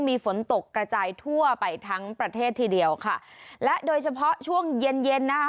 มีฝนตกกระจายทั่วไปทั้งประเทศทีเดียวค่ะและโดยเฉพาะช่วงเย็นเย็นนะคะ